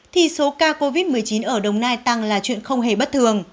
thì số ca covid một mươi chín ở đồng nai tăng là chuyện không hề bất thường